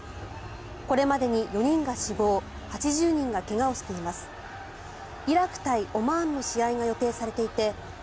これまでに４人が死亡８０人が怪我をしています。